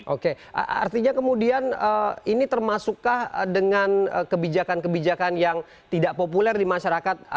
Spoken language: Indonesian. oke artinya kemudian ini termasukkah dengan kebijakan kebijakan yang tidak populer di masyarakat